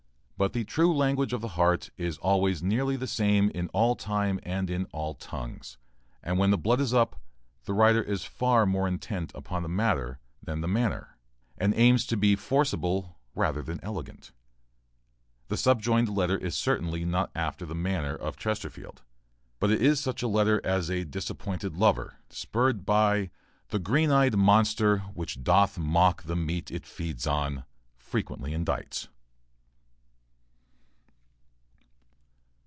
But the true language of the heart is always nearly the same in all time and in all tongues, and when the blood is up the writer is far more intent upon the matter than the manner, and aims to be forcible rather than elegant. The subjoined letter is certainly not after the manner of Chesterfield, but it is such a letter as a disappointed lover, spurred by The green eyed monster, which doth mock The meat it feeds on, frequently indites.